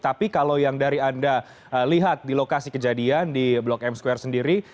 tapi kalau yang dari anda lihat di lokasi kejadian di blok m square sendiri